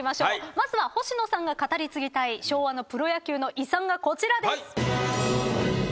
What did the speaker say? まずは星野さんが語り継ぎたい昭和のプロ野球の遺産がこちらです。